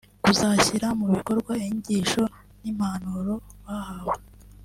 kuzashyira mu bikorwa inyigisho n’impanuro bahawe